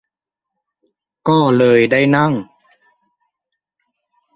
ก็เลยได้นั่ง